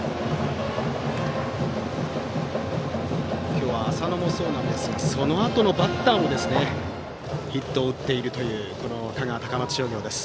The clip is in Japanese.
今日は浅野もそうなんですがそのあとのバッターもヒットを打っているという香川・高松商業です。